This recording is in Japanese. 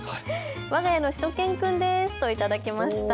わが家のしゅと犬くんですといただきました。